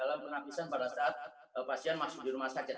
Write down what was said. dalam penapisan pada saat pasien masuk di rumah sakit